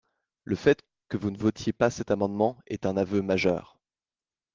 Le fait que vous ne votiez pas cet amendement est un aveu majeur